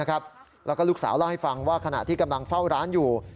แล้วก็ลูกสาวเล่าให้ฟังว่าขณะที่กำลังเฝ้าร้านอยู่